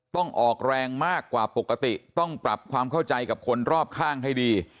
ต้องออกแรงมากกว่าปกติต้องปรับความเข้าใจกับคนรอบข้างให้ดี